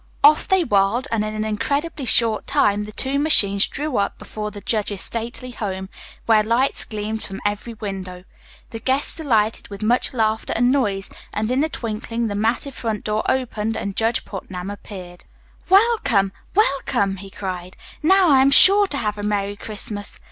Off they whirled and in an incredibly short time the two machines drew up before the judge's stately home, where lights gleamed from every window. The guests alighted with much laughter and noise, and in a twinkling the massive front door opened and Judge Putnam appeared. "Welcome, welcome!" he cried. "Now I am sure to have a Merry Christmas.